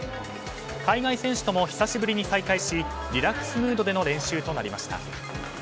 海外選手とも久しぶりに再会しリラックスムードでの練習となりました。